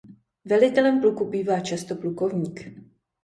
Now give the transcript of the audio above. Velitelem pluku bývá často plukovník.